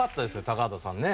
高畑さんね。